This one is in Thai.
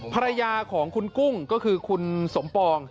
ภรรยาของคุณกุ้งก็คือคุณสมปอง